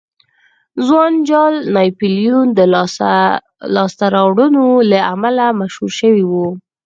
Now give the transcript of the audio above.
ځوان جال ناپلیون د لاسته راوړنو له امله مشهور شوی و.